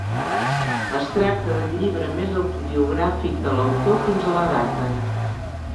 Es tracta del llibre més autobiogràfic de l'autor fins a la data.